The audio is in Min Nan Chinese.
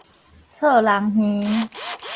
噪人耳